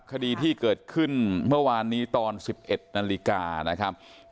คดีที่เกิดขึ้นเมื่อวานนี้ตอน๑๑นาฬิกานะครับ